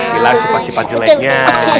hilang sifat sifat jeleknya